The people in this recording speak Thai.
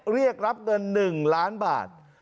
เรียกรับเงิน๑ล้านบาท